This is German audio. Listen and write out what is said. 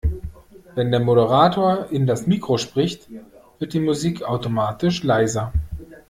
Wenn der Moderator in das Mikro spricht, wird die Musik automatisch leiser.